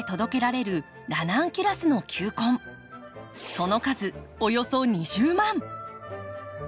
その数およそ２０万！